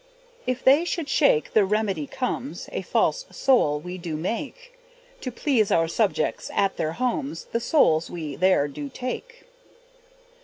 If they should shake the remedy comes, A false sole we do make, To please our subjects at their homes The soles we there do take.